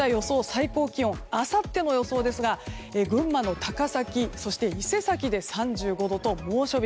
最高気温あさっての予想ですが群馬の高崎、そして伊勢崎で３５度と猛暑日。